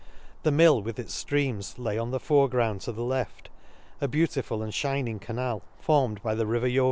— The mill with its flreams lay on the fore ground to the left j — a beautiful and fliining canal, formed by the river Yeo man the Lakes.